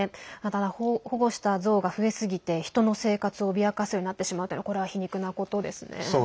ただ保護したゾウが増えすぎて人の生活を脅かすようになってしまうというのはこれは皮肉なことですね。